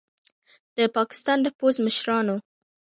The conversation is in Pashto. د پاکستان د پوځ مشرانو